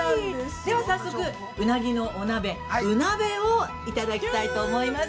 では早速、うなぎのお鍋、うなべをいただきたいと思います。